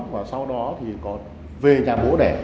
và sau đó thì có về nhà bố đẻ